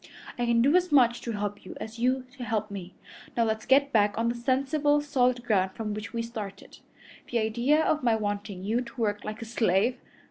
I can do as much to help you as you to help me. Now let's get back on the sensible, solid ground from which we started. The idea of my wanting you to work like a slave!